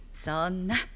そんな。